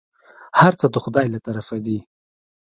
هرڅه د خداى له طرفه دي.